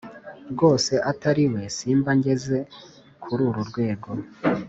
rwose atariwe simba ngeze kururu rwego